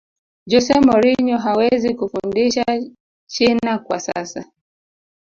jose mourinho hawezi kufundisha china kwa sasa